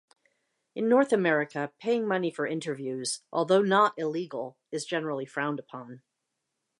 In North America, paying money for interviews, although not illegal, is generally frowned upon.